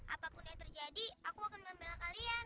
apapun yang terjadi aku akan membela kalian